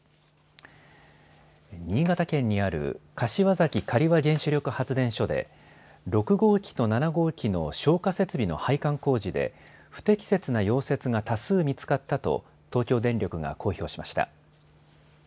新潟県にある柏崎刈羽原子力発電所で６号機と７号機の消火設備の配管工事で不適切な溶接が多数見つかったと東京電力が公表しました。